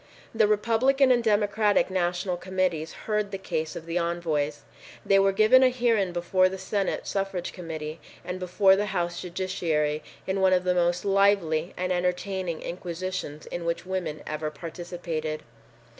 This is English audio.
The Republican and Democratic National Committees heard the case of the envoys. They were given a hearing before the Senate Suffrage Committee and before the House Judiciary in one of the most lively and entertaining inquisitions in which women ever participated.